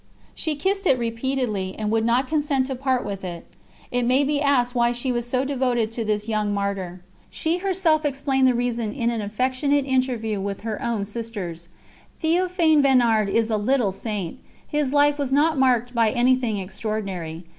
She kissed it repeatedly, and would not consent to part with it. It may be asked why she was so devoted to this young Martyr. She herself explained the reason in an affectionate interview with her own sisters: "Théophane Vénard is a little saint; his life was not marked by anything extraordinary.